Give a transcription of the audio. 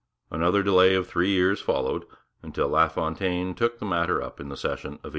Another delay of three years followed, until LaFontaine took the matter up in the session of 1849.